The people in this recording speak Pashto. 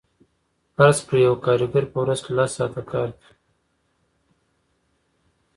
فرض کړئ یو کارګر په ورځ کې لس ساعته کار کوي